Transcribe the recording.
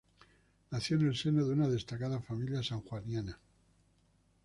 Nació en el seno de una destacada familia sanjuanina.